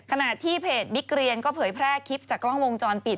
ขณะที่เพจบิ๊กเรียนก็เผยแพร่คลิปจากกล้องวงจรปิด